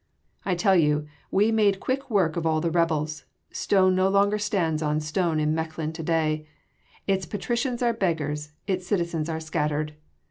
I tell you we made quick work of all the rebels: stone no longer stands on stone in Mechlin to day: its patricians are beggars, its citizens are scattered.